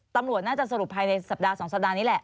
ตำรวจน่าจะสรุปภายในสัปดาห์๒สัปดาห์นี้แหละ